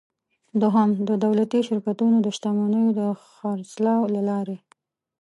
دوهم: د دولتي شرکتونو د شتمنیو د خرڅلاو له لارې.